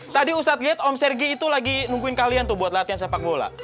tadi ustadz liat om sergi itu lagi nungguin kalian tuh buat latihan sepak bola